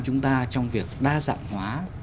chúng ta trong việc đa dạng hóa